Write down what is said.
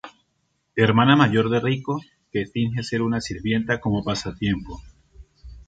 Hermana mayor de Riko que finge ser una sirvienta como pasatiempo.